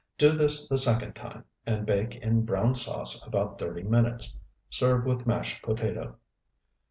Do this the second time, and bake in brown sauce about thirty minutes. Serve with mashed potato.